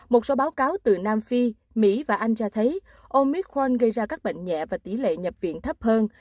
một số báo cáo từ nam phi mỹ và anh cho thấy omicwal gây ra các bệnh nhẹ và tỷ lệ nhập viện thấp hơn